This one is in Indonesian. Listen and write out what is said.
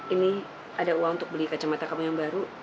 ini ada uang untuk beli kacamata kamu yang baru